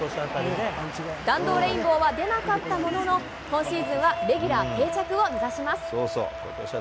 弾道レインボーは出なかったものの、今シーズンはレギュラー定着を目指します。